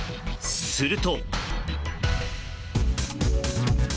すると。